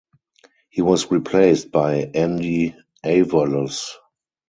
He was replaced by Andy Avalos.